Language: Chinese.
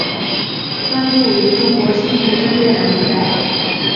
分布于中国西部至越南一带。